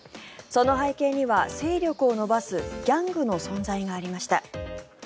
その背景には勢力を伸ばすギャングの存在がありました。